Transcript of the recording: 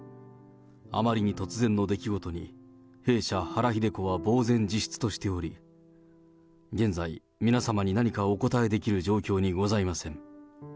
あまりに突然の出来事に、弊社、原日出子はぼう然自失としており、現在、皆様に何かお答えできる状況にございません。